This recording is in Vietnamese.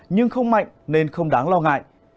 nhưng không mạnh nên không đáng lo ngại